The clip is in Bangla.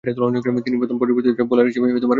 তিনি প্রথম পরিবর্তিত বোলার হিসেবে বল হাতে নেন।